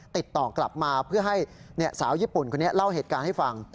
ติดต่อกลับมาเพื่อให้สาวญี่ปุ่นคนนี้เล่าเหตุการณ์ให้ฟัง